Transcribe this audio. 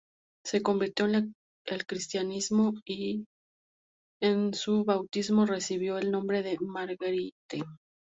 Se convirtió al cristianismo; y, en su bautismo, recibió el nombre de Marguerite.